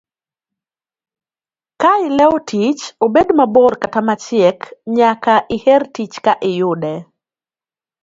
Kaileo tich, obed mabor kata machiek, nyaka iher tich ka iyude.